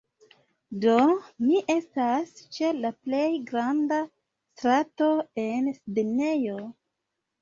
Do, mi estas ĉe la plej granda strato en Sidnejo